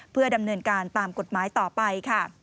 เพื่อดำเนินการตามกฎหมายต่อไปค่ะ